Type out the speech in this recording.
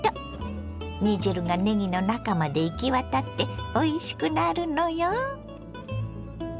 煮汁がねぎの中まで行き渡っておいしくなるのよ！